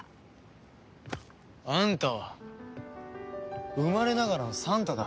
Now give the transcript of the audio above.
あんたは生まれながらのサンタだ。